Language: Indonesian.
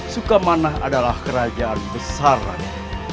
sukamana adalah kerajaan besar raden